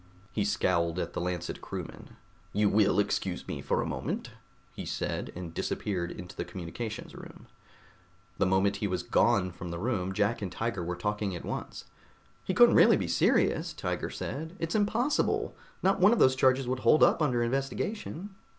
He scowled at the Lancet crewmen. "You will excuse me for a moment," he said, and disappeared into the communications room. The moment he was gone from the room, Jack and Tiger were talking at once. "He couldn't really be serious," Tiger said. "It's impossible! Not one of those charges would hold up under investigation."